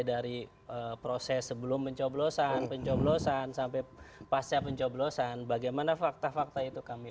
dari proses sebelum pencoblosan pencoblosan sampai pasca pencoblosan bagaimana fakta fakta itu kami